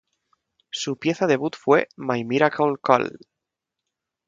Su pieza debut fue "My Miracle Kal".